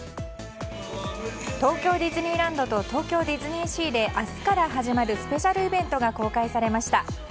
東京ディズニーランドと東京ディズニーシーで明日から始まるスペシャルイベントが公開されました。